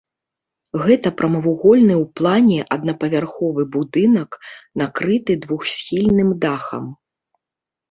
Гэта прамавугольны ў плане аднапавярховы будынак, накрыты двухсхільным дахам.